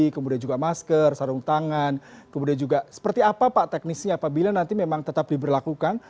kemudian juga masker sarung tangan kemudian juga seperti apa pak teknisnya apabila nanti memang tetap diberlakukan